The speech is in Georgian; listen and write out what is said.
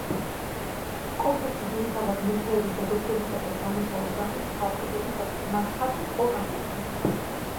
კომპლექსი ძირითადად მეფეების, დედოფლების და სამეფო ოჯახის სხვა წევრების დასამარხად იყო განკუთვნილი.